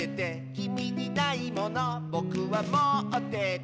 「きみにないものぼくはもってて」